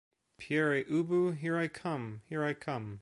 Père Ubu Here I come! Here I come!